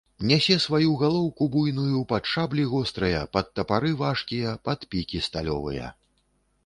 Нясе сваю галоўку буйную пад шаблі гострыя, пад тапары важкія, пад пікі сталёвыя.